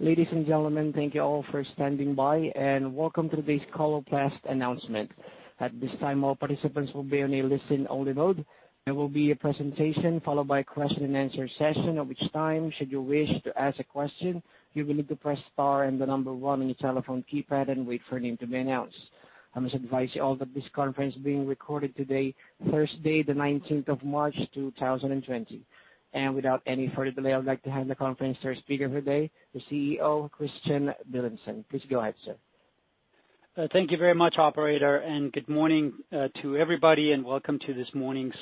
Ladies and gentlemen, thank you all for standing by. Welcome to today's Coloplast announcement. At this time, all participants will be on a listen-only mode. There will be a presentation followed by a Q&A session, at which time, should you wish to ask a question, you will need to press star and the number one on your telephone keypad and wait for your name to be announced. I must advise you all that this conference is being recorded today, Thursday, the 19th March, 2020. Without any further delay, I'd like to hand the conference to our speaker today, the Chief Executive Officer, Kristian Villumsen. Please go ahead, sir. Thank you very much, operator. Good morning to everybody. Welcome to this morning's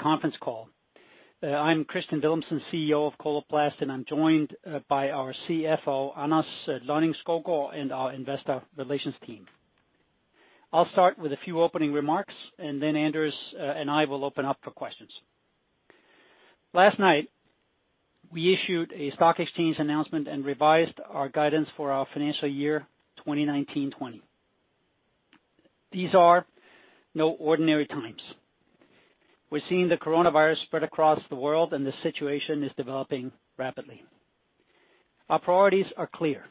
conference call. I'm Kristian Villumsen, Chief Executive Officer of Coloplast. I'm joined by our Chief Financial Officer, Anders Lonning-Skovgaard, and our investor relations team. I'll start with a few opening remarks. Then Anders and I will open up for questions. Last night, we issued a stock exchange announcement and revised our guidance for our financial year 2019-2020. These are no ordinary times. We're seeing the coronavirus spread across the world. The situation is developing rapidly. Our priorities are clear.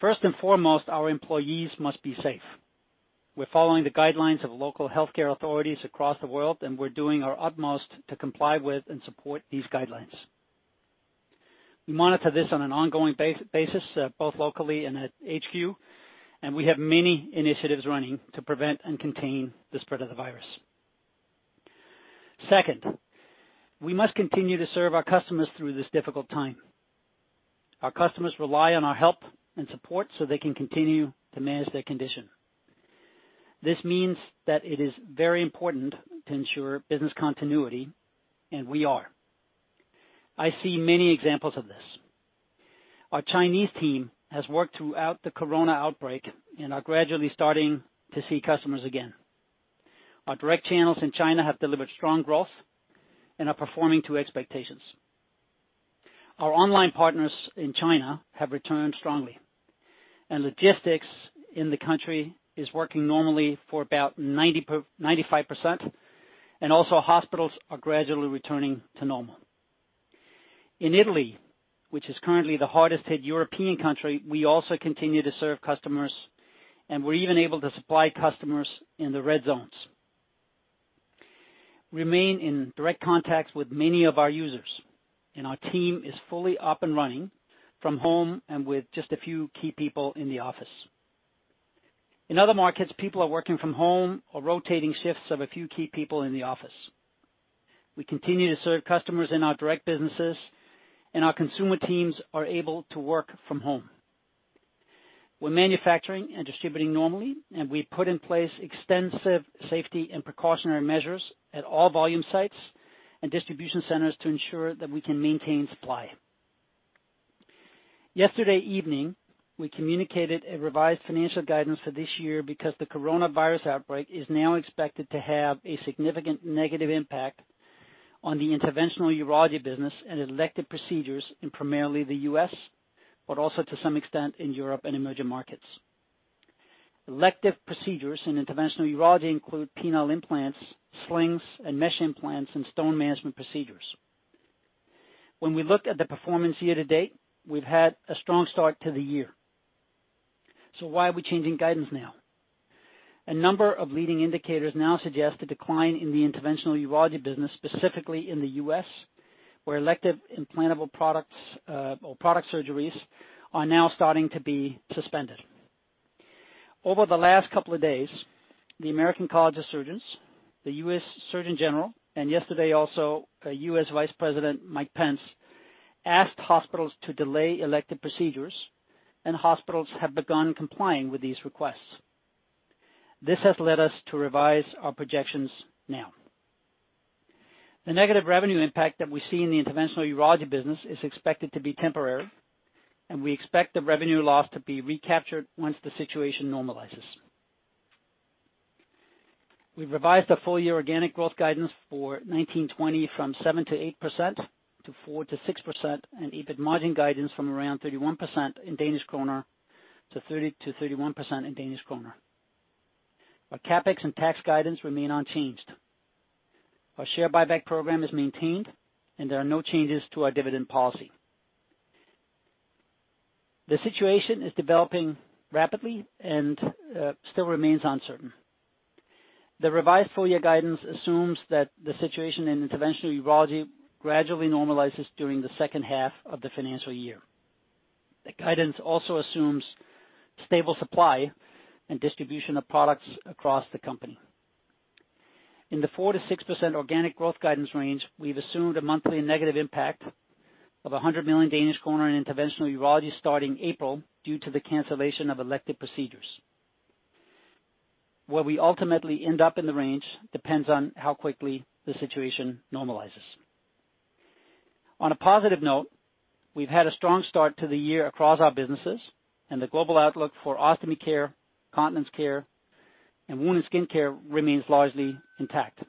First and foremost, our employees must be safe. We're following the guidelines of local healthcare authorities across the world. We're doing our utmost to comply with and support these guidelines. We monitor this on an ongoing basis, both locally and at HQ. We have many initiatives running to prevent and contain the spread of the virus. Second, we must continue to serve our customers through this difficult time. Our customers rely on our help and support so they can continue to manage their condition. This means that it is very important to ensure business continuity. We are. I see many examples of this. Our Chinese team has worked throughout the coronavirus outbreak and are gradually starting to see customers again. Our direct channels in China have delivered strong growth and are performing to expectations. Our online partners in China have returned strongly, and logistics in the country is working normally for about 95%. Also, hospitals are gradually returning to normal. In Italy, which is currently the hardest hit European country, we also continue to serve customers, and we're even able to supply customers in the red zones. We remain in direct contact with many of our users, and our team is fully up and running from home and with just a few key people in the office. In other markets, people are working from home or rotating shifts of a few key people in the office. We continue to serve customers in our direct businesses, and our consumer teams are able to work from home. We're manufacturing and distributing normally, and we've put in place extensive safety and precautionary measures at all volume sites and distribution centers to ensure that we can maintain supply. Yesterday evening, we communicated a revised financial guidance for this year because the Coronavirus outbreak is now expected to have a significant negative impact on the interventional urology business and elective procedures in primarily the U.S., but also to some extent in Europe and emerging markets. Elective procedures in interventional urology include penile implants, slings, and mesh implants, and stone management procedures. When we look at the performance year to date, we've had a strong start to the year. Why are we changing guidance now? A number of leading indicators now suggest a decline in the interventional urology business, specifically in the U.S., where elective implantable products or product surgeries are now starting to be suspended. Over the last couple of days, the American College of Surgeons, the U.S. Surgeon General, and yesterday also, U.S. Vice President Mike Pence asked hospitals to delay elective procedures. Hospitals have begun complying with these requests. This has led us to revise our projections now. The negative revenue impact that we see in the interventional urology business is expected to be temporary. We expect the revenue loss to be recaptured once the situation normalizes. We've revised the full-year organic growth guidance for 2019-2020 from 7%-8% to 4%-6%. EBIT margin guidance from around 31% in Danish kroner to 30%-31% in Danish kroner. Our CapEx and tax guidance remain unchanged. Our share buyback program is maintained. There are no changes to our dividend policy. The situation is developing rapidly. Still remains uncertain. The revised full-year guidance assumes that the situation in interventional urology gradually normalizes during the second half of the financial year. The guidance also assumes stable supply and distribution of products across the company. In the 4%-6% organic growth guidance range, we've assumed a monthly negative impact of 100 million in interventional urology starting April due to the cancellation of elective procedures. Where we ultimately end up in the range depends on how quickly the situation normalizes. On a positive note, we've had a strong start to the year across our businesses, and the global outlook for ostomy care, continence care, and wound and skin care remains largely intact.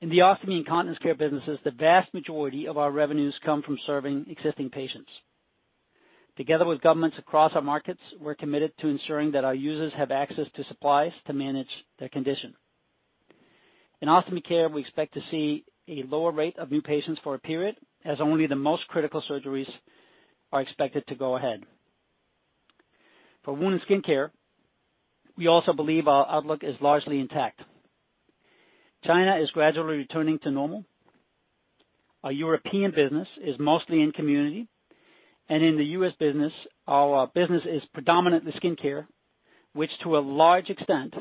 In the ostomy and continence care businesses, the vast majority of our revenues come from serving existing patients. Together with governments across our markets, we're committed to ensuring that our users have access to supplies to manage their condition. In Ostomy Care, we expect to see a lower rate of new patients for a period, as only the most critical surgeries are expected to go ahead. For Wound and Skin Care, we also believe our outlook is largely intact. China is gradually returning to normal. Our European business is mostly in community, and in the U.S. business, our business is predominantly skin care, which to a large extent,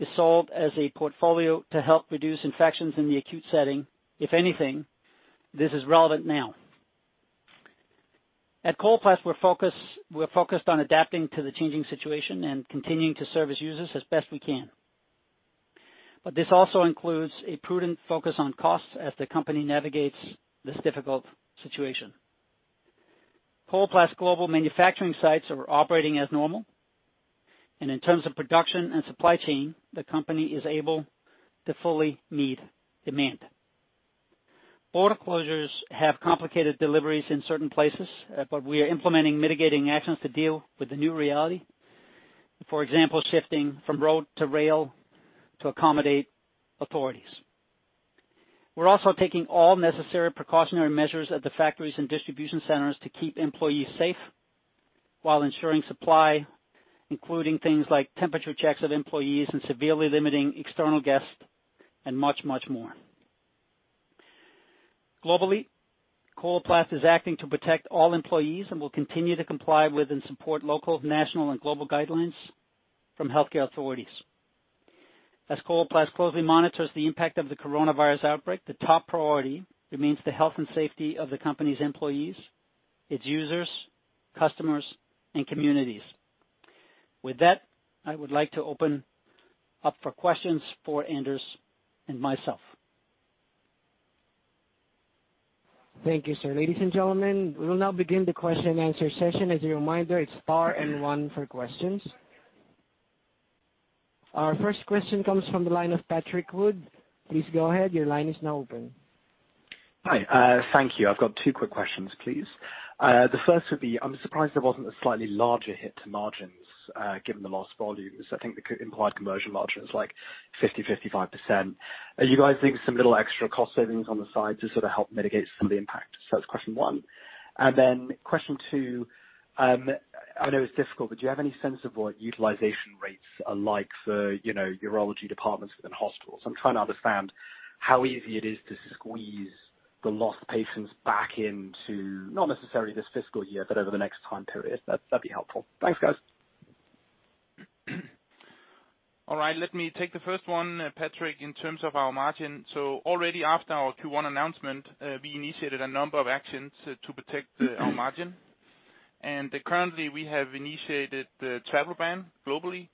is sold as a portfolio to help reduce infections in the acute setting. If anything, this is relevant now. At Coloplast, we're focused on adapting to the changing situation and continuing to serve as users as best we can. This also includes a prudent focus on costs as the company navigates this difficult situation. Coloplast global manufacturing sites are operating as normal, and in terms of production and supply chain, the company is able to fully meet demand. Border closures have complicated deliveries in certain places, but we are implementing mitigating actions to deal with the new reality. For example, shifting from road to rail to accommodate authorities. We're also taking all necessary precautionary measures at the factories and distribution centers to keep employees safe while ensuring supply, including things like temperature checks of employees and severely limiting external guests, and much more. Globally, Coloplast is acting to protect all employees and will continue to comply with and support local, national, and global guidelines from healthcare authorities. As Coloplast closely monitors the impact of the coronavirus outbreak, the to p priority remains the health and safety of the company's employees, its users, customers, and communities. With that, I would like to open up for questions for Anders and myself. Thank you, sir. Ladies and gentlemen, we will now begin the Q&A session. As a reminder, it's star and one for questions. Our first question comes from the line of Patrick Wood. Please go ahead. Your line is now open. Hi, thank you. I've got two quick questions, please. The first would be, I'm surprised there wasn't a slightly larger hit to margins, given the lost volumes. I think the implied conversion margin is like 50%-55%. Are you guys leaving some little extra cost savings on the side to sort of help mitigate some of the impact? That's question one. Question two, I know it's difficult, but do you have any sense of what utilization rates are like for, you know, urology departments within hospitals? I'm trying to understand how easy it is to squeeze the lost patients back into, not necessarily this fiscal year, but over the next time period. That'd be helpful. Thanks, guys. All right. Let me take the first one, Patrick, in terms of our margin. Already after our Q1 announcement, we initiated a number of actions to protect our margin. Currently, we have initiated the travel ban globally.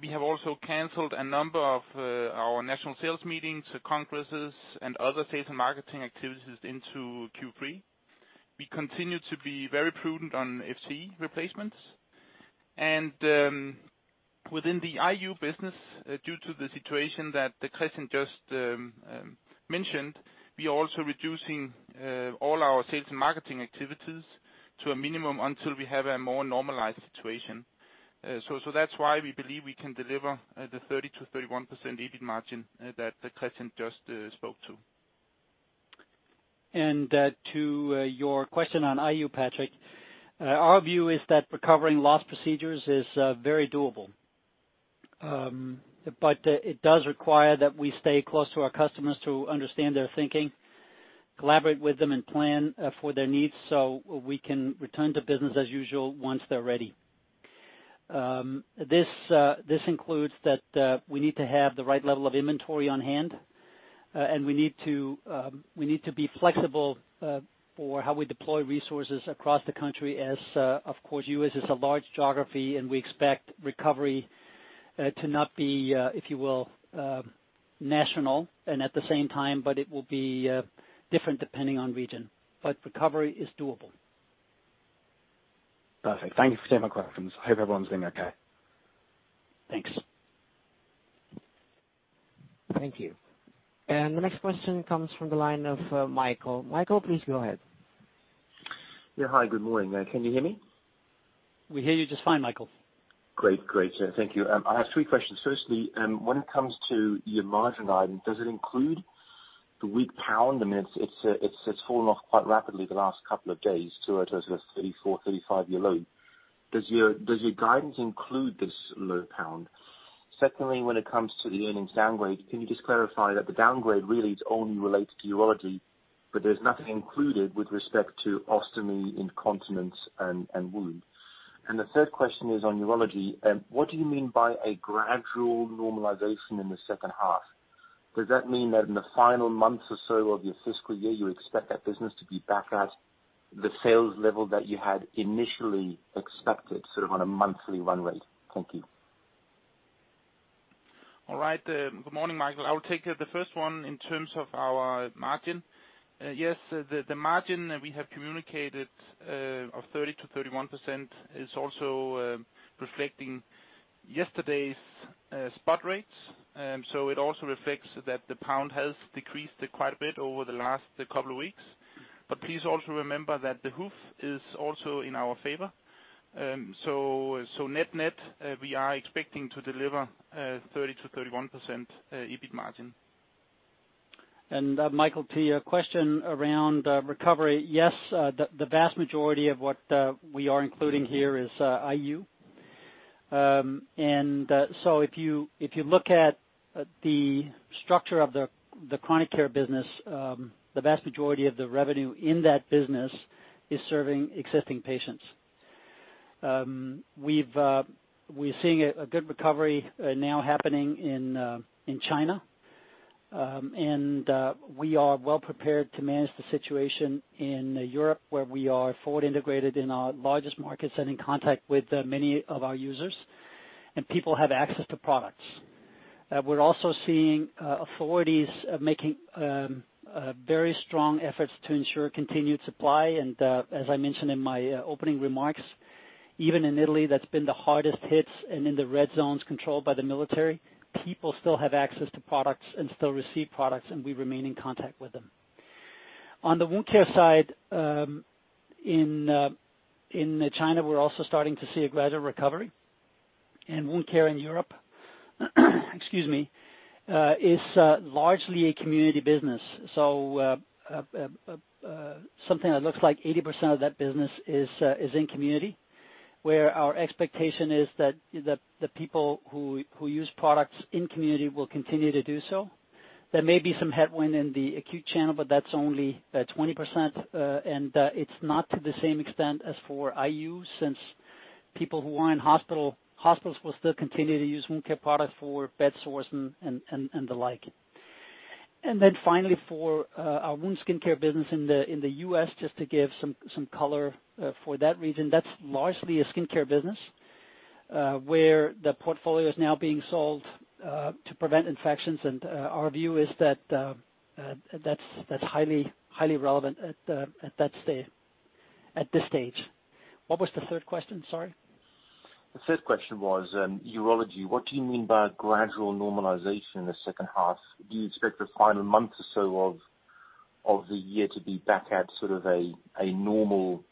We have also canceled a number of our national sales meetings, congresses, and other sales and marketing activities into Q3. We continue to be very prudent on CapEx replacements. Within the IU business, due to the situation that Kristian just mentioned, we are also reducing all our sales and marketing activities to a minimum until we have a more normalized situation. That's why we believe we can deliver the 30%-31% EBIT margin that Kristian just spoke to. To your question on IU, Patrick, our view is that recovering lost procedures is very doable. It does require that we stay close to our customers to understand their thinking, collaborate with them, and plan for their needs, so we can return to business as usual once they're ready. This includes that we need to have the right level of inventory on hand, and we need to be flexible for how we deploy resources across the country as, of course, U.S. is a large geography, and we expect recovery to not be, if you will, national and at the same time, but it will be different depending on region. Recovery is doable. Perfect. Thank you for taking my questions. I hope everyone's doing okay. Thanks. Thank you. The next question comes from the line of Michael. Michael, please go ahead. Yeah, hi, good morning. Can you hear me? We hear you just fine, Michael. Great, sir. Thank you. I have three questions. Firstly, when it comes to your margin item, does it include the weak pound? I mean, it's fallen off quite rapidly the last couple of days to a 34-35-year low. Does your guidance include this low pound? Secondly, when it comes to the earnings downgrade, can you just clarify that the downgrade really is only related to urology, but there's nothing included with respect to ostomy, incontinence, and wound? The third question is on urology. What do you mean by a gradual normalization in the second half? Does that mean that in the final months or so of your fiscal year, you expect that business to be back at the sales level that you had initially expected, sort of on a monthly run rate? Thank you. All right. Good morning, Michael. I will take the first one in terms of our margin. Yes, the margin we have communicated, of 30%-31% is also, reflecting yesterday's, spot rates. It also reflects that the pound has decreased quite a bit over the last couple of weeks please also remember that the hoof is also in our favor net-net, we are expecting to deliver 30%-31% EBIT margin. Michael P, a question around recovery. Yes, the vast majority of what we are including here is IU. So if you look at the structure of the chronic care business, the vast majority of the revenue in that business is serving existing patients. We've seeing a good recovery now happening in China. And we are well prepared to manage the situation in Europe, where we are forward integrated in our largest markets and in contact with many of our users, and people have access to products. We're also seeing authorities making very strong efforts to ensure continued supply. As I mentioned in my opening remarks, even in Italy, that's been the hardest hits and in the red zones controlled by the military, people still have access to products and still receive products, and we remain in contact with them. On the wound care side, in China, we're also starting to see a gradual recovery. Wound care in Europe, excuse me, is largely a community business. Something that looks like 80% of that business is in community, where our expectation is that the people who use products in community will continue to do so. There may be some headwind in the acute channel, but that's only 20%. It's not to the same extent as for IU, since people who are in hospitals will still continue to use wound care products for bed sores and the like. Then finally, for our wound skincare business in the U.S., just to give some color for that region, that's largely a skincare business, where the portfolio is now being sold to prevent infections. Our view is that that's highly relevant at this stage. What was the third question? Sorry. The third question was urology. What do you mean by gradual normalization in the second half? Do you expect the final month or so of the year to be back at sort of a normal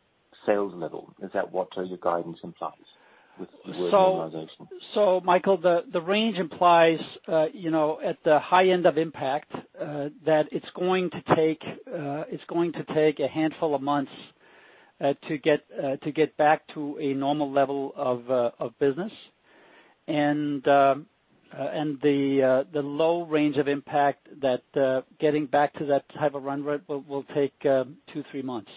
sales level? Is that what your guidance implies with the word normalization? Michael, the range implies, you know, at the high end of impact, that it's going to take a handful of months to get back to a normal level of business. The low range of impact that getting back to that type of run rate will take two or three months.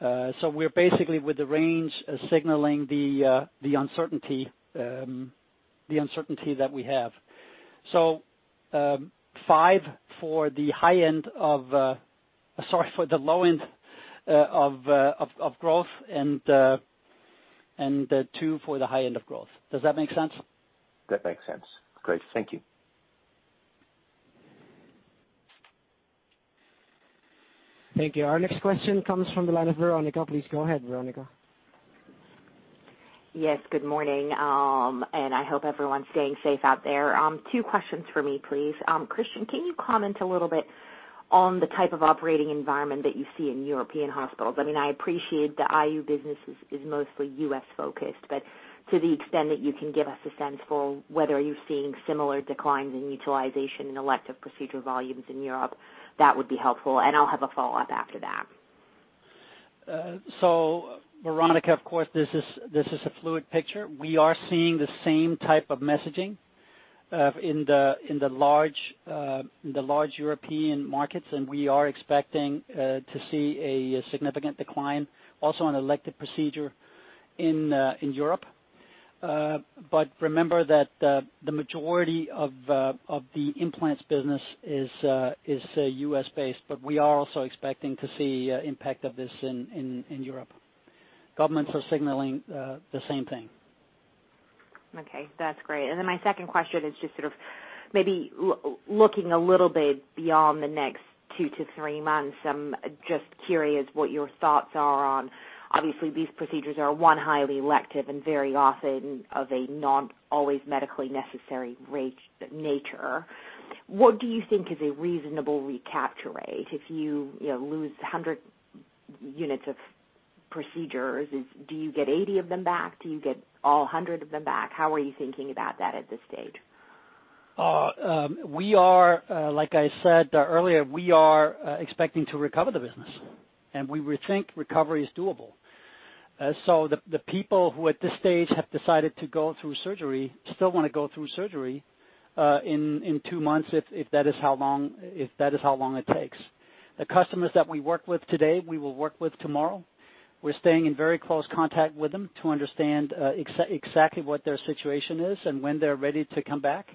We're basically with the range, signaling the uncertainty that we have five for the low end of growth and two for the high end of growth. Does that make sense? That makes sense. Great. Thank you. Thank you. Our next question comes from the line of Veronica. Please go ahead, Veronica. Yes, good morning. I hope everyone's staying safe out there. Two questions for me, please. Kristian, can you comment a little bit on the type of operating environment that you see in European hospitals? I mean, I appreciate the IU business is mostly U.S. focused, but to the extent that you can give us a sense for whether you're seeing similar declines in utilization and elective procedure volumes in Europe, that would be helpful, and I'll have a follow-up after that. Veronica, of course, this is a fluid picture. We are seeing the same type of messaging in the large, in the large European markets, and we are expecting to see a significant decline also on elective procedure in Europe. Remember that the majority of the implants business is U.S.-based, but we are also expecting to see impact of this in Europe. Governments are signaling the same thing. Okay. That's great. Then my second question is just sort of maybe looking a little bit beyond the next two to three months. I'm just curious what your thoughts are on obviously, these procedures are, one, highly elective and very often of a not always medically necessary nature. What do you think is a reasonable recapture rate? If you know, lose 100 units of procedures, do you get 80 of them back? Do you get all 100 of them back? How are you thinking about that at this stage? We are, like I said earlier, we are expecting to recover the business, and we think recovery is doable. The people who at this stage have decided to go through surgery, still wanna go through surgery, in two months, if that is how long it takes. The customers that we work with today, we will work with tomorrow. We're staying in very close contact with them to understand exactly what their situation is and when they're ready to come back.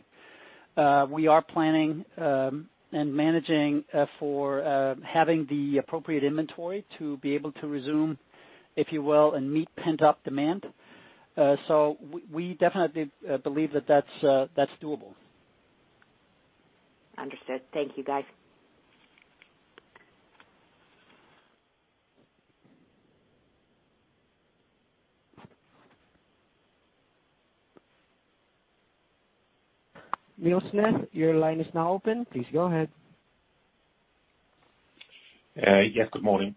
We are planning and managing for having the appropriate inventory to be able to resume, if you will, and meet pent-up demand. We definitely believe that that's doable. Understood. Thank you, guys. Niels Granholm-Leth, your line is now open. Please go ahead. Yes, good morning.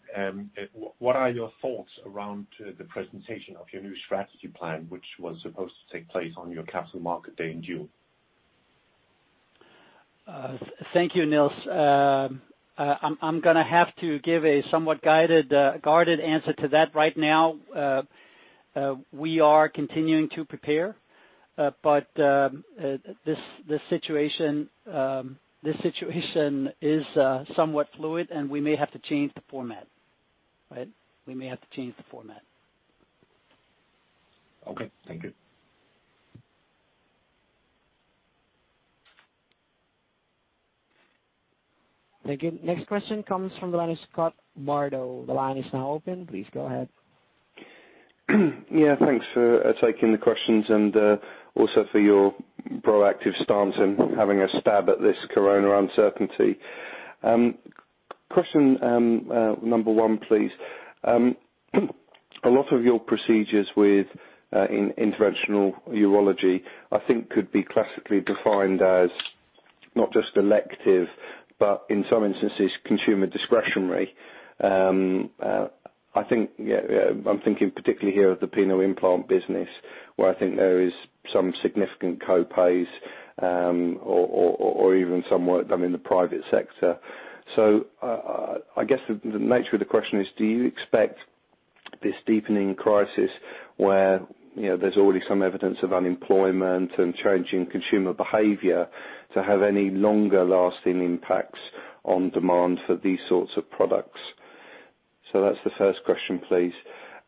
What are your thoughts around the presentation of your new strategy plan, which was supposed to take place on your Capital Markets Day in June 2020? Thank you, Niels. I'm gonna have to give a somewhat guided, guarded answer to that right now. We are continuing to prepare, this situation is somewhat fluid, and we may have to change the format, right? We may have to change the format. Okay. Thank you. Thank you. Next question comes from the line of Scott Bardo. The line is now open. Please go ahead. Thanks for taking the questions and also for your proactive stance in having a stab at this corona uncertainty. Question number one, please. A lot of your procedures with in interventional urology, I think could be classically defined as not just elective, but in some instances, consumer discretionary. I think, yeah, I'm thinking particularly here of the penile implant business, where I think there is some significant copays or even some work done in the private sector. I guess the nature of the question is, do you expect this deepening crisis where, you know, there's already some evidence of unemployment and changing consumer behavior to have any longer lasting impacts on demand for these sorts of products? That's the first question, please.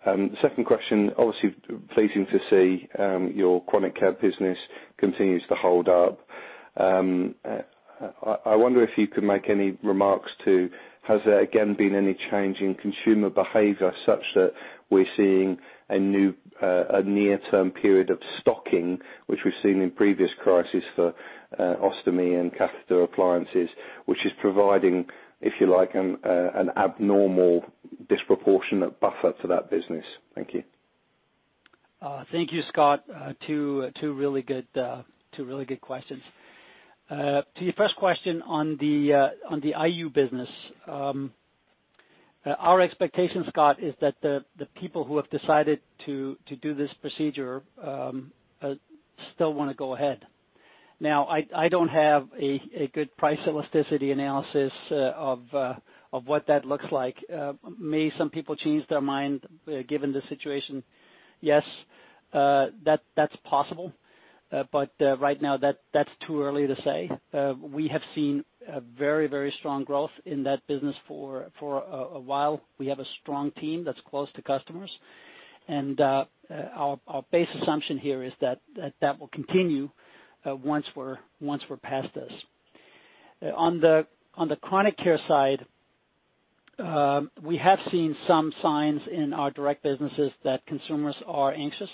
The second question, obviously pleasing to see, your chronic care business continues to hold up. I wonder if you could make any remarks to, has there again been any change in consumer behavior such that we're seeing a new, a near-term period of stocking, which we've seen in previous crises for ostomy and catheter appliances, which is providing, if you like, an abnormal disproportionate buffer for that business? Thank you. Thank you, Scott. Two really good questions. To your first question on the IU business. Our expectation, Scott, is that the people who have decided to do this procedure still want to go ahead. Now, I don't have a good price elasticity analysis of what that looks like. May some people change their mind given the situation? Yes, that's possible, but right now, that's too early to say. We have seen a very strong growth in that business for a while. We have a strong team that's close to customers, and our base assumption here is that that will continue once we're past this. On the chronic care side, we have seen some signs in our direct businesses that consumers are anxious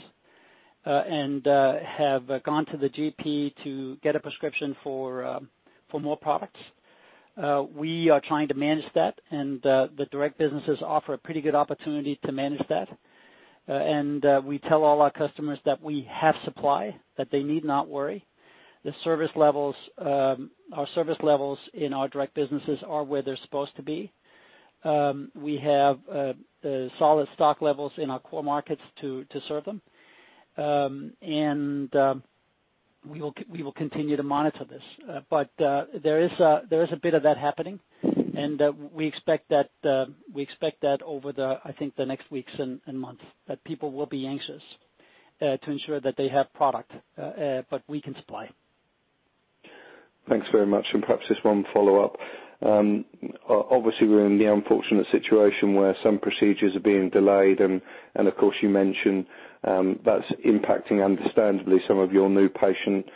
and have gone to the GP to get a prescription for more products. We are trying to manage that, the direct businesses offer a pretty good opportunity to manage that. We tell all our customers that we have supply, that they need not worry. Our service levels in our direct businesses are where they're supposed to be. We have solid stock levels in our core markets to serve them. We will continue to monitor this. There is a bit of that happening, and we expect that over the, I think, the next weeks and months, that people will be anxious to ensure that they have product, but we can supply. Thanks very much. Perhaps just one follow-up. Obviously, we're in the unfortunate situation where some procedures are being delayed, and of course, you mentioned that's impacting, understandably, some of your new patient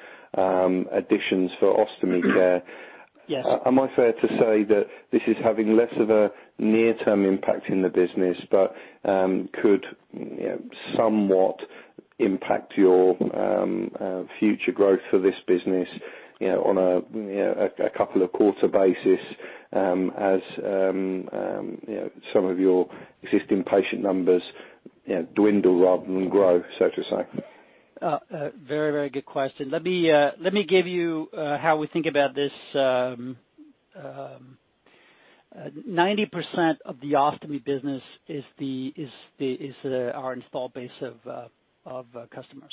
additions for ostomy care. Yes. Am I fair to say that this is having less of a near-term impact in the business, but, could, you know, somewhat impact your future growth for this business, you know, on a, you know, a couple of quarter basis, as, you know, some of your existing patient numbers, you know, dwindle rather than grow, so to say? Very good question. Let me, give you, how we think about this. 90% of the ostomy business is the, our install base of, customers.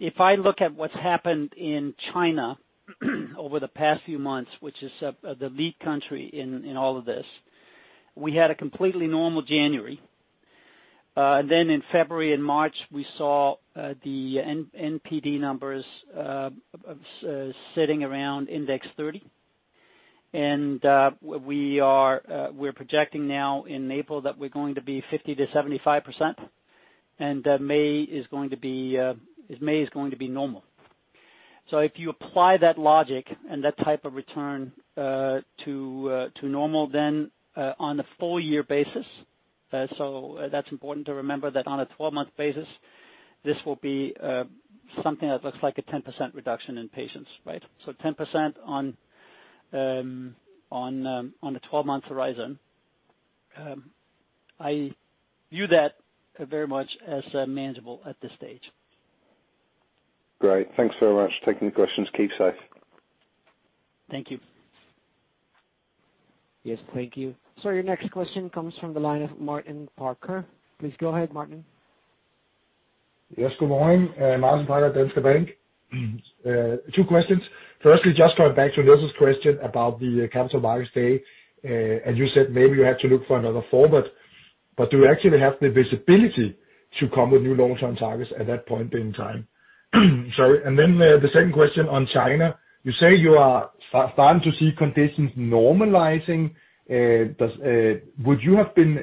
If I look at what's happened in China over the past few months, which is the lead country in all of this, we had a completely normal January. In February and March, we saw, the NPD numbers, sitting around index 30. We are, we're projecting now in April that we're going to be 50%-75%, and, May is going to be, May is going to be normal. If you apply that logic and that type of return, to normal, then on a full year basis, so that's important to remember that on a 12-month basis, this will be something that looks like a 10% reduction in patients, right? 10% on a 12-month horizon. I view that very much as manageable at this stage. Great. Thanks very much for taking the questions. Keep safe. Thank you. Yes, thank you. Your next question comes from the line of Martin Parkhøi. Please go ahead, Martin. Yes, good morning. Martin Parkhøi, Danske Bank. Two questions. Firstly, just going back to Niels's question about the Capital Markets Day, and you said maybe you have to look for another format, but do you actually have the visibility to come with new long-term targets at that point in time? The second question on China: You say you are starting to see conditions normalizing. Would you have been,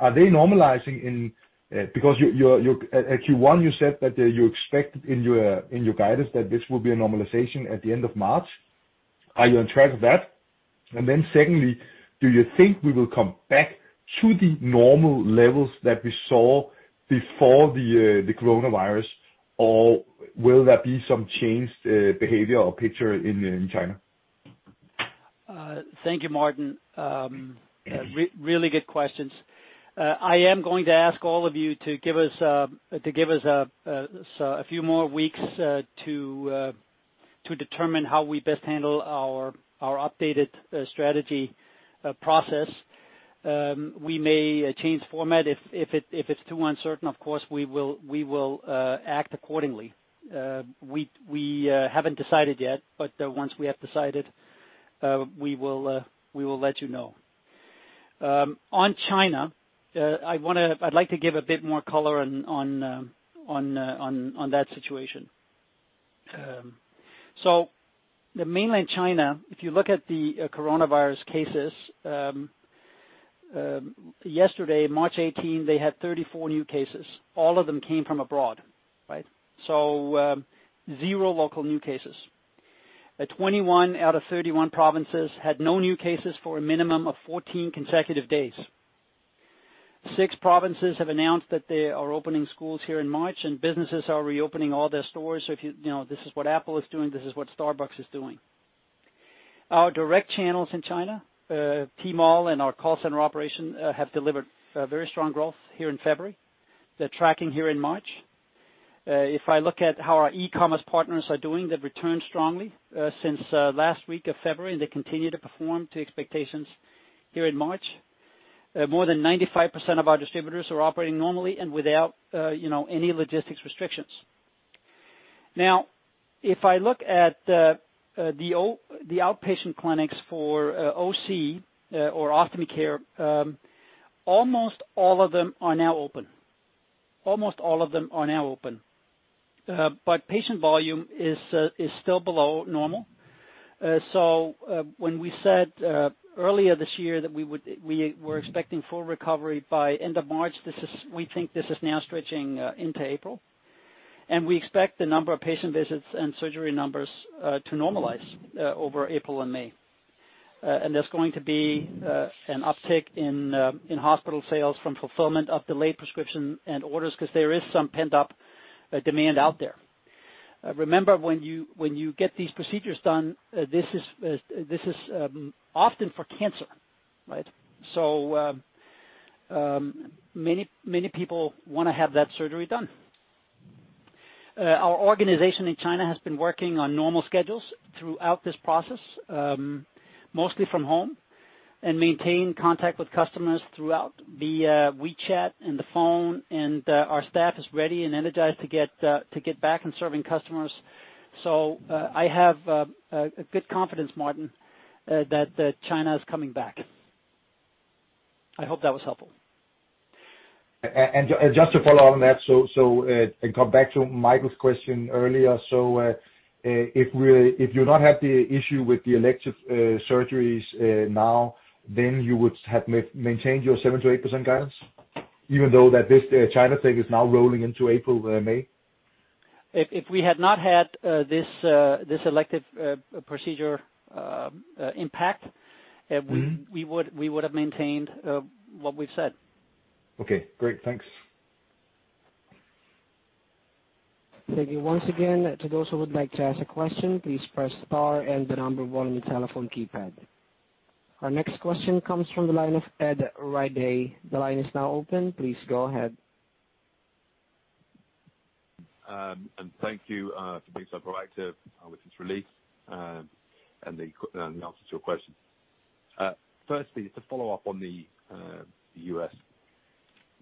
are they normalizing in because your at Q1, you said that you expect in your guidance that this will be a normalization at the end of March. Are you on track with that? Secondly, do you think we will come back to the normal levels that we saw before the coronavirus, or will there be some changed behavior or picture in China? Thank you, Martin. Really good questions. I am going to ask all of you to give us a few more weeks to determine how we best handle our updated strategy process. We may change format if it's too uncertain, of course, we will act accordingly. We haven't decided yet, once we have decided, we will let you know. On China, I'd like to give a bit more color on that situation. The mainland China, if you look at the coronavirus cases, yesterday, March 18, they had 34 new cases. All of them came from abroad, right? Zero local new cases. 21 out of 31 provinces had no new cases for a minimum of 14 consecutive days. Six provinces have announced that they are opening schools here in March, and businesses are reopening all their stores. You know, this is what Apple is doing, this is what Starbucks is doing. Our direct channels in China, Tmall and our call center operation, have delivered very strong growth here in February. They're tracking here in March. If I look at how our e-commerce partners are doing, they've returned strongly, since last week of February, and they continue to perform to expectations here in March. More than 95% of our distributors are operating normally and without, you know, any logistics restrictions. If I look at the outpatient clinics for OC, or Optum Care, almost all of them are now open. Almost all of them are now open. Patient volume is still below normal. When we said earlier this year that we would, we were expecting full recovery by end of March, we think this is now stretching into April. We expect the number of patient visits and surgery numbers to normalize over April and May. There's going to be an uptick in hospital sales from fulfillment of delayed prescription and orders because there is some pent-up demand out there. Remember, when you get these procedures done, this is often for cancer, right? Many, many people want to have that surgery done. Our organization in China has been working on normal schedules throughout this process, mostly from home, and maintained contact with customers throughout via WeChat and the phone, and our staff is ready and energized to get back on serving customers. I have good confidence, Martin, that China is coming back. I hope that was helpful. Just to follow on that, so, and come back to Michael's question earlier. If you not have the issue with the elective surgeries now, then you would have maintained your 7%-8% guidance, even though that this China thing is now rolling into April, May? If we had not had this elective procedure impact we would have maintained, what we've said. Okay, great. Thanks. Thank you once again. To those who would like to ask a question, please press star and the one on your telephone keypad. Our next question comes from the line of Ed Ridley-Day. The line is now open. Please go ahead. Thank you for being so proactive with this release, and the answers to your question. Firstly, to follow up on the U.S.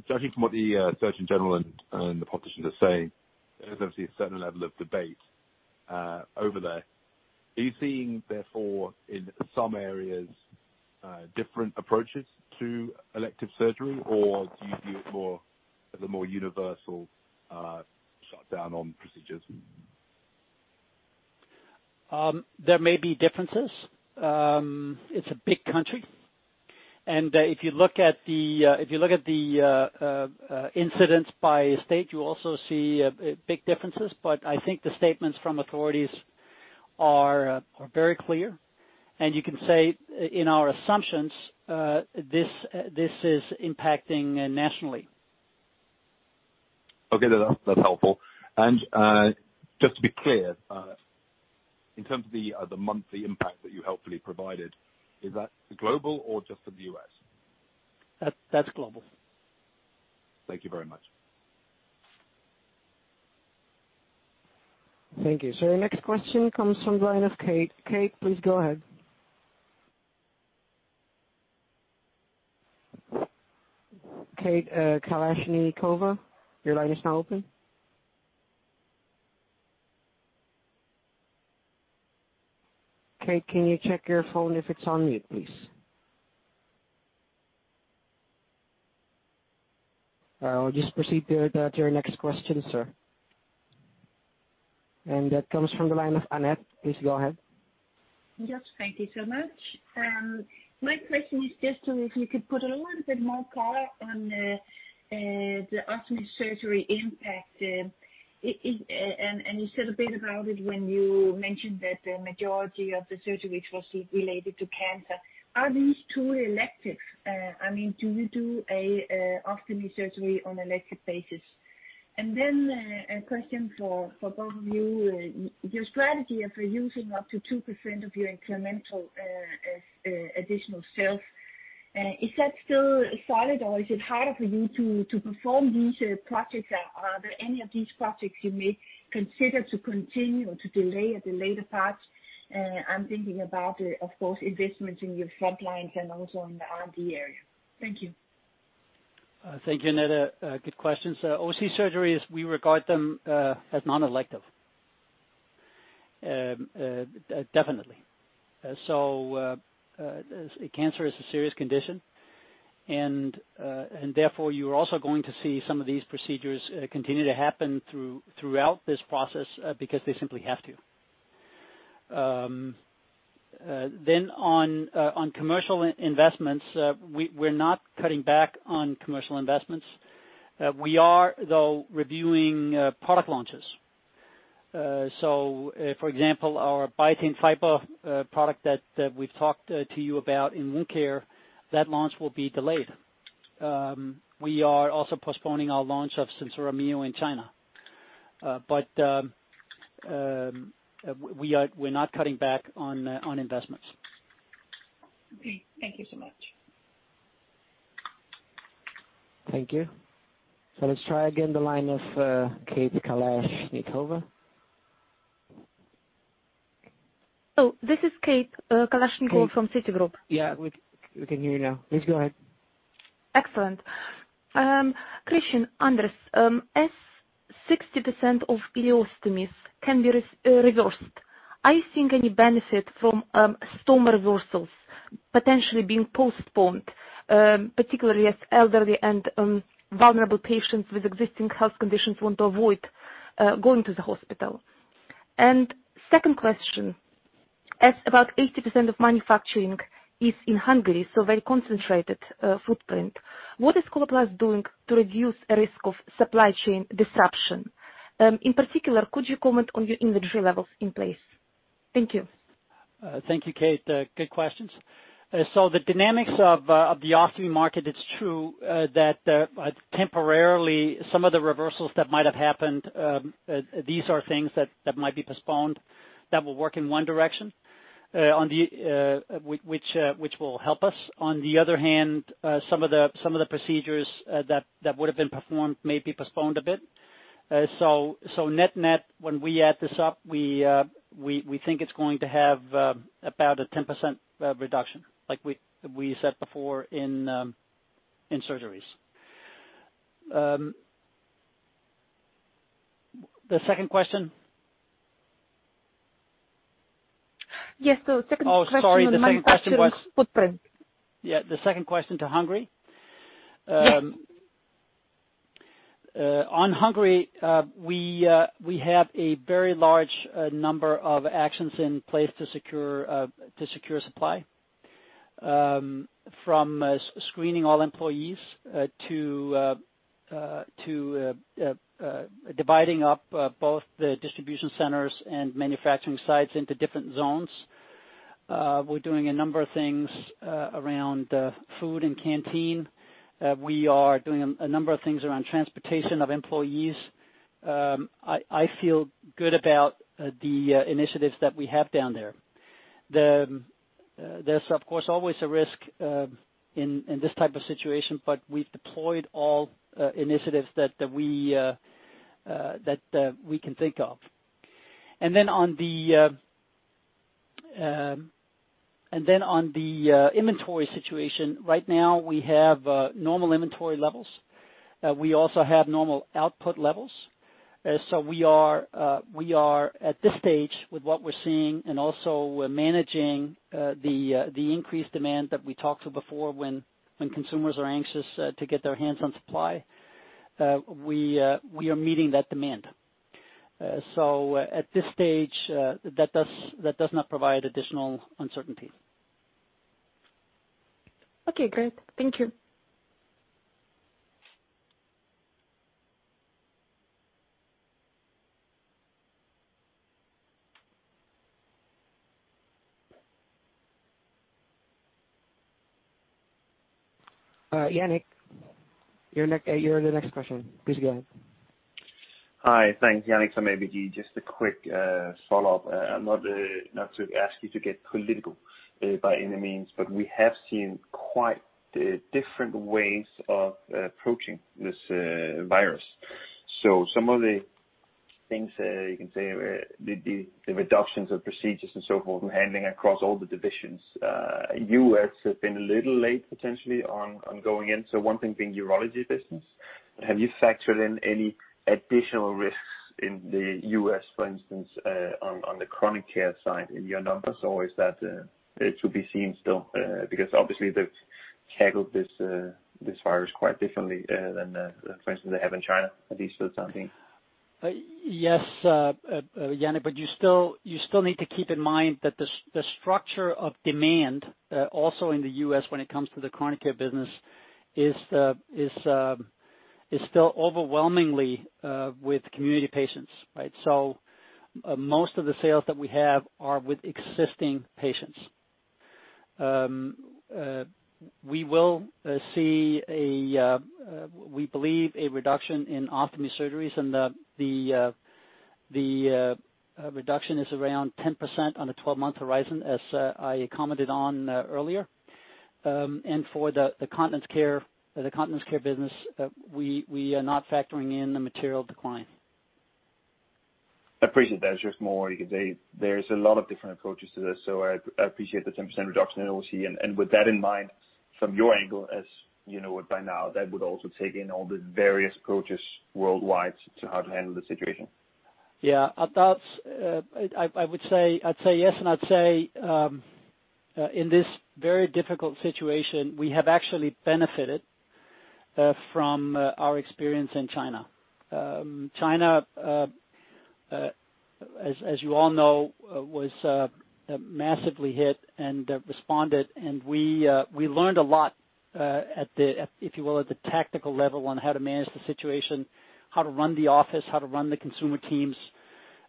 Judging from what the U.S. Surgeon General and the politicians are saying, there's obviously a certain level of debate over there. Are you seeing, therefore, in some areas, different approaches to elective surgery, or do you view it more as a more universal shutdown on procedures? There may be differences. It's a big country. If you look at the, if you look at the incidents by state, you also see big differences. I think the statements from authorities are very clear, and you can say in our assumptions, this is impacting nationally. Okay, that's helpful. Just to be clear, in terms of the monthly impact that you helpfully provided, is that global or just for the U.S.? That's global. Thank you very much. Thank you. Your next question comes from the line of Kate. Kate, please go ahead. Kate Kalashnikova, your line is now open. Kate, can you check your phone if it's on mute, please? We'll just proceed to your next question, sir. That comes from the line of Annette. Please go ahead. Yes, thank you so much. My question is just to if you could put a little bit more color on the ostomy surgery impact, and you said a bit about it when you mentioned that the majority of the surgery which was related to cancer. Are these two elective? I mean, do you do a ostomy surgery on elective basis? A question for both of you. Your strategy of using up to 2% of your incremental as additional sales, is that still solid, or is it harder for you to perform these projects? Are there any of these projects you may consider to continue or to delay at a later part? I'm thinking about, of course, investments in your front lines and also in the R&D area. Thank you. Thank you, Annette. Good questions. OC surgeries, we regard them as non-elective. Definitely. Cancer is a serious condition, and therefore, you are also going to see some of these procedures continue to happen throughout this process because they simply have to. On commercial investments, we're not cutting back on commercial investments. We are, though, reviewing product launches. For example, our Biatain fiber product that we've talked to you about in wound care, that launch will be delayed. We are also postponing our launch of SenSura Mio in China. We're not cutting back on investments. Okay. Thank you so much. Thank you. Let's try again the line of Kate Kalashnikova. Oh, this is Kate Kalashnikova from Citigroup. Yeah, we can hear you now. Please go ahead. Excellent. Kristian, Andres, as 60% of ileostomies can be reversed, are you seeing any benefit from stoma reversals potentially being postponed, particularly as elderly and vulnerable patients with existing health conditions want to avoid going to the hospital? Second question: about 80% of manufacturing is in Hungary, so very concentrated footprint, what is Coloplast doing to reduce the risk of supply chain disruption? In particular, could you comment on your inventory levels in place? Thank you. Thank you, Kate. Good questions. The dynamics of the ostomy market, it's true that temporarily some of the reversals that might have happened, these are things that might be postponed, that will work in one direction, which will help us. On the other hand, some of the procedures that would have been performed may be postponed a bit. Net-net when we add this up, we think it's going to have about a 10% reduction, like we said before in surgeries. The second question? Yes. second question- Oh, sorry. The second question was-... Manufacturing footprint. Yeah, the second question to Hungary? Yes. On Hungary, we have a very large number of actions in place to secure supply. From screening all employees, to dividing up both the distribution centers and manufacturing sites into different zones. We're doing a number of things around food and canteen. We are doing a number of things around transportation of employees. I feel good about the initiatives that we have down there. There's, of course, always a risk in this type of situation, but we've deployed all initiatives that we can think of. On the inventory situation, right now, we have normal inventory levels. We also have normal output levels. So we are at this stage with what we're seeing and also we're managing the increased demand that we talked to before, when consumers are anxious to get their hands on supply, we are meeting that demand. So at this stage, that does not provide additional uncertainty. Okay, great. Thank you. Yannick, you're the next question. Please go ahead. Hi, thanks. Yannick from ABG. Just a quick follow-up. Not to ask you to get political by any means, but we have seen quite different ways of approaching this virus. Some of the things, you can say, the reductions of procedures and so forth, handling across all the divisions, U.S. has been a little late, potentially, on going in, so one thing being urology business. Have you factored in any additional risks in the U.S., for instance, on the chronic care side in your numbers, or is that to be seen still? Obviously, they've tackled this virus quite differently than, for instance, they have in China, at least so it seems. Yes, Yannick, you still need to keep in mind that the structure of demand, also in the U.S., when it comes to the chronic care business, is still overwhelmingly with community patients, right? Most of the sales that we have are with existing patients. We will see a, we believe a reduction in ophthalmic surgeries. The reduction is around 10% on a 12-month horizon, as I commented on earlier. For the continence care, the continence care business, we are not factoring in the material decline. I appreciate that. Just more you could say there's a lot of different approaches to this, so I appreciate the 10% reduction that we'll see. With that in mind, from your angle, as you know it by now, that would also take in all the various approaches worldwide to how to handle the situation. Yeah, that's, I would say, I'd say yes, and I'd say, in this very difficult situation, we have actually benefited from our experience in China. China, as you all know, was massively hit and responded. We learned a lot at the, if you will, at the tactical level on how to manage the situation, how to run the office, how to run the consumer teams,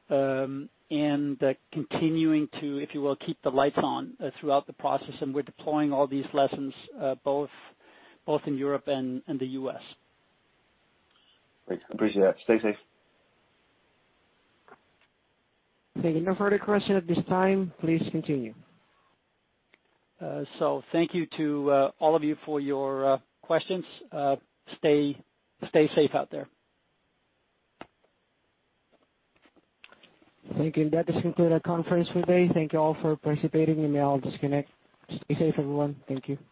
and continuing to, if you will, keep the lights on throughout the process. We're deploying all these lessons both in Europe and the U.S. Great. I appreciate that. Stay safe. Thank you. No further questions at this time. Please continue. Thank you to all of you for your questions. Stay safe out there. Thank you. That does conclude our conference for today. Thank you all for participating, and now I'll disconnect. Stay safe, everyone. Thank you.